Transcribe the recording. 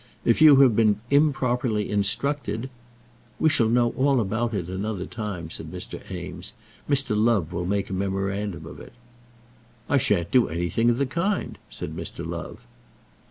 If you have been improperly instructed " "We shall know all about it another time," said Eames. "Mr. Love will make a memorandum of it." "I shan't do anything of the kind," said Mr. Love.